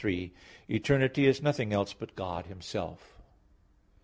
3: Eternity is nothing else but God Himself.